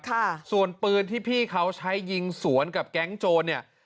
ด้านซ้ายนี่ใช่ไหม